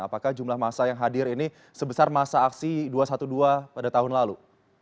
apakah jumlah masa yang hadir ini sebesar masa aksi dua ratus dua belas pada tahun lalu